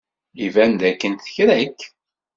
Iban dakken tra-k.